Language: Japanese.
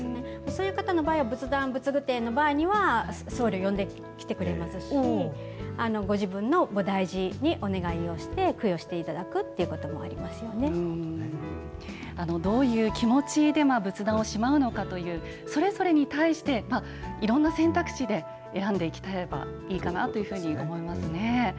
そういう方の場合は、仏壇、仏具店の場合には、僧侶を呼んできてくれますし、ご自分の菩提寺にお願いをして、供養していただどういう気持ちで仏壇をしまうのかという、それぞれに対して、いろんな選択肢で選んでいけばいいかなと思いますね。